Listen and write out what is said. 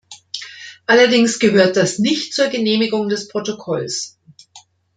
Allerdings gehört das nicht zur Genehmigung des Protokolls.